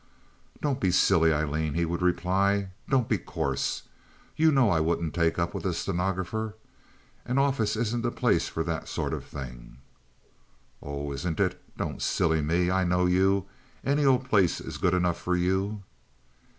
"Don't be silly, Aileen," he would reply. "Don't be coarse. You know I wouldn't take up with a stenographer. An office isn't the place for that sort of thing." "Oh, isn't it? Don't silly me. I know you. Any old place is good enough for you."